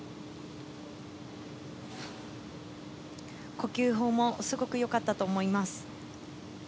呼吸法もすごくよかったと思います。